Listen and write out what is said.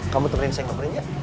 kamu terima kasih ngobrolin ya